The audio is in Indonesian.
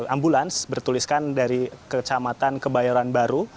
ambulans bertuliskan dari kecamatan kebayoran baru